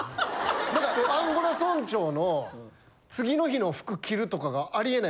だからアンゴラ村長の次の日の服着るとかがありえない。